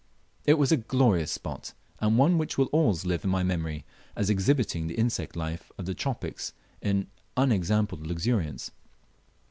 It was a glorious spot, and one which will always live in my memory as exhibiting the insect life of the tropics in unexampled luxuriance.